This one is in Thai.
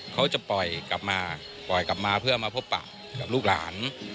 เขาจะปล่อยกลับมาเพื่อมาพบปากกับลูกหลาน